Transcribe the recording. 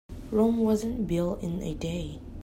Rome wasn't built in a day.